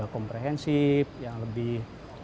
komprehensif yang lebih